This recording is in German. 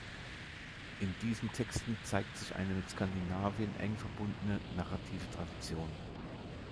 In diesen Texten zeigt sich eine mit Skandinavien eng verbundene narrative Tradition.